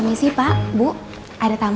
kan b quarantena